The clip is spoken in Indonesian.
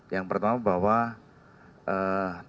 yang pertama bahwa terselamat